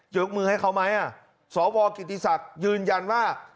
ยกมือให้เขาไหมสวกิติศักดิ์ยืนยันว่า